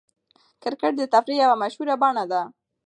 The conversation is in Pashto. کرکټ د تفریح یوه مشهوره بڼه ده.